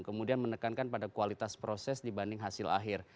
kemudian menekankan pada kualitas proses dibanding hasil akhir